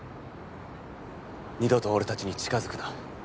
二度と俺たちに近づくな。